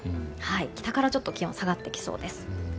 北からちょっと気温が下がってきそうです。